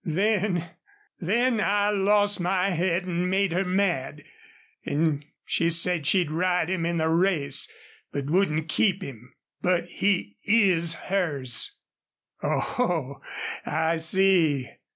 Then then I lost my head an' made her mad.... An' she said she'd ride him in the race, but wouldn't keep him. But he IS hers." "Oho! I see.